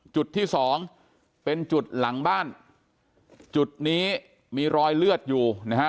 จุดที่สองเป็นจุดหลังบ้านจุดนี้มีรอยเลือดอยู่นะฮะ